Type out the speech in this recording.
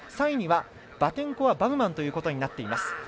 ３位にはバテンコワバウマンということになっています。